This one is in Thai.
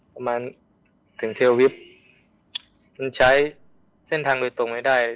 ประมาณถึงเทลวิปมันใช้เส้นทางโดยตรงไม่ได้